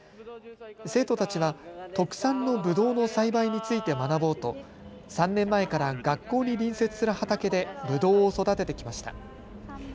生徒たちは特産のぶどうの栽培について学ぼうと３年前から学校に隣接する畑でぶどうを育ててきました。